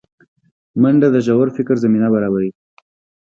منډه د ژور فکر زمینه برابروي